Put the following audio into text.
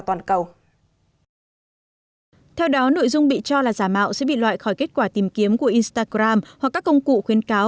theo đó nội dung bị cho là giả mạo sẽ bị loại khỏi kết quả tìm kiếm của instagram hoặc các công cụ khuyến cáo